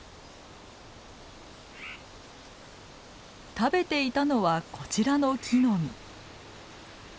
食べていたのはこちらの木の実。